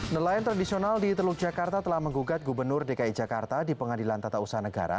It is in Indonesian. nelayan tradisional di teluk jakarta telah menggugat gubernur dki jakarta di pengadilan tata usaha negara